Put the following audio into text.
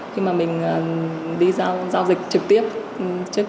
khi mà mình đi giao dịch trực tiếp trước kia